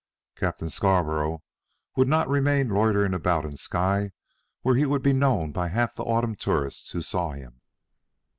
"Captain Scarborough would not remain loitering about in Skye where he would be known by half the autumn tourists who saw him."